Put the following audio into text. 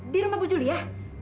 di rumah bu julia